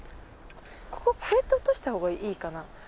ここ越えて落としたほうがいいかな？